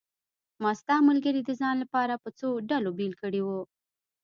ما ستا ملګري د ځان لپاره په څو ډلو بېل کړي وو.